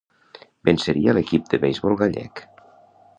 Venceria l'equip de beisbol gallec.